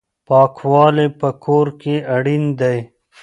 پاکوالی په کور کې اړین دی.